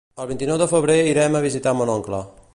El vint-i-nou de febrer irem a visitar mon oncle.